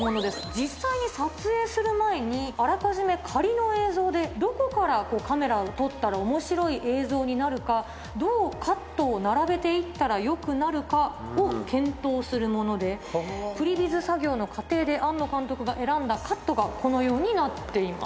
実際に撮影する前にあらかじめ仮の映像でどこからカメラを撮ったら面白い映像になるかどうカットを並べて行ったら良くなるかを検討するものでプリヴィズ作業の過程で庵野監督が選んだカットがこのようになっています。